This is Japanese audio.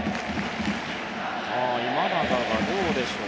今永がどうでしょう。